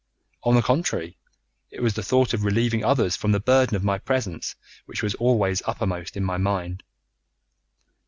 On the contrary, it was the thought of relieving others from the burden of my presence which was always uppermost in my mind.